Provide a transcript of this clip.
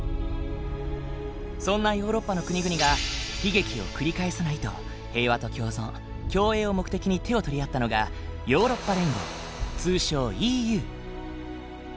そんなヨーロッパの国々が「悲劇を繰り返さない」と平和と共存共栄を目的に手を取り合ったのがヨーロッパ連合通称ＥＵ。